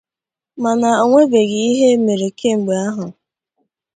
mana o nwebeghị ihe e mere kemgbe ahụ.